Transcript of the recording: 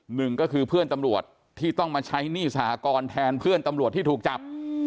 หนึ่งก็คือเพื่อนตำรวจที่ต้องมาใช้หนี้สหกรณ์แทนเพื่อนตำรวจที่ถูกจับ